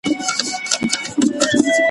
ملا جان مي د خوبونو تعبیر کښلی ,